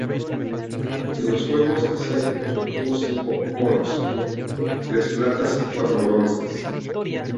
En los Juegos Asiáticos obtuvo cinco oros, tres platas y cuatro bronces.